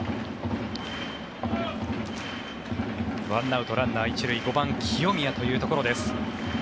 １アウト、ランナー１塁５番、清宮というところです。